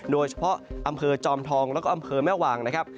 โดยเฉพาะอำเภอจอมทองแล้วก็อำเภอแม่วางนะครับ